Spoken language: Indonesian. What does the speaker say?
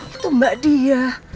itu mbak dia